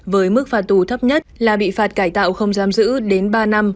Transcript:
với mức phạt tù thấp nhất là bị phạt cải tạo không giam giữ đến ba năm